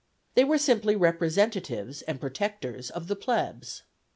They were simply representatives and protectors of the plebs.